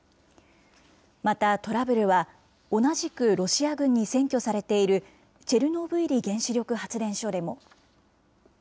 また、トラブルは同じくロシア軍に占拠されているチェルノブイリ原子力発電所でも。